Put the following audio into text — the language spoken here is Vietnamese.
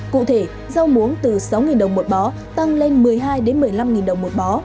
cụ thể rau muống từ sáu đồng một bó tăng lên một mươi hai một mươi năm đồng một bó